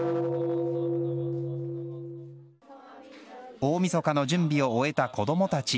大みそかの準備を終えた子供たち。